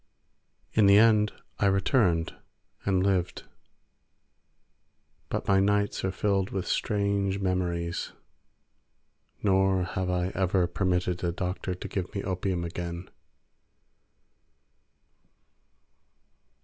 In the end I returned and lived, but my nights are filled with strange memories, nor have I ever permitted a doctor to give me opium again.